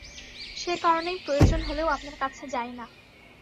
সে কারণেই প্রয়োজন হলেও আপনার কাছে যাই না।